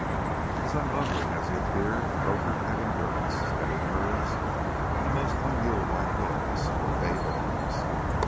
As unlovely as he appeared, Croaker had endurance, steady nerves, and a most un mulelike willingness to obey orders.